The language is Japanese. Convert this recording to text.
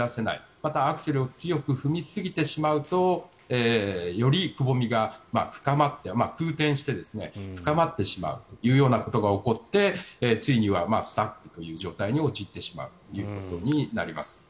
またアクセルを強く踏みすぎてしまうとよりくぼみが深まって空転して、深まってしまうというようなことが起こってついにはスタックという状況に陥ってしまうことになります。